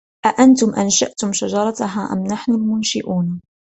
أَأَنتُمْ أَنشَأْتُمْ شَجَرَتَهَا أَمْ نَحْنُ الْمُنشِؤُونَ